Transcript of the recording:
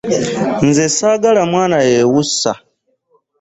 Nze ssaagala mwana yeewussa.